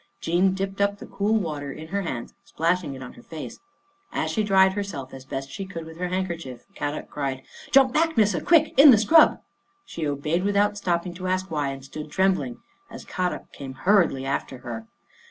Jean dipped up the cool water in her hands, splashing it on her face. As she dried herself as best she could with her handkerchief, Kadok cried, " Jump back, Missa, quick! into the scrub! " She obeyed without stopping to ask why and stood trembling, as Kadok came hurriedly after her.